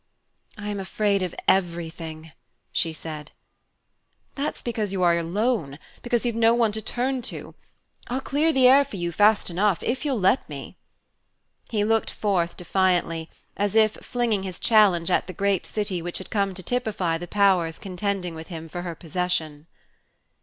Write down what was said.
"I am afraid of everything!" she said. "That's because you are alone; because you've no one to turn to. I'll clear the air for you fast enough if you'll let me." He looked forth defiantly, as if flinging his challenge at the great city which had come to typify the powers contending with him for her possession.